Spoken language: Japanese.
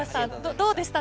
どうでした？